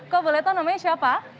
kau boleh tahu namanya siapa